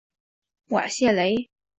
瓦谢雷。